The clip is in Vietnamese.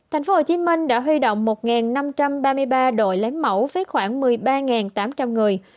tp hcm đã huy động một năm trăm ba mươi ba đội lấy mẫu với khoảng một mươi ba tám trăm linh người